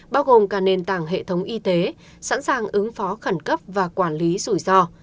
bao gồm cả nền tảng hệ thống y tế sẵn sàng ứng phó khẩn cấp và quản lý rủi ro